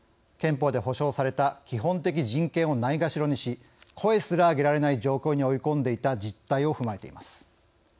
憲法で保障された基本的人権をないがしろにし声すら上げられない状況に追い込んでいた実態を踏まえています。